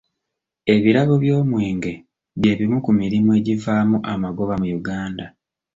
Ebirabo by'omwenge by'ebimu ku mirimu egivaamu amagoba mu Uganda.